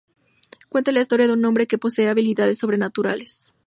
Cuenta la historia de un hombre que posee habilidades sobrenaturales.